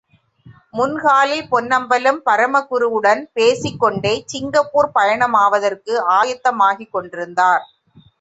முன்ஹாலில் பொன்னம்பலம், பரமகுருவுடன் பேசிககொண்டே சிங்கப்பூர் பயணமாவதற்கு ஆயத்தமாகிக் கொண்டிருந்தார்.